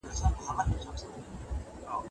قرباني به مو بچي وي د یرغلو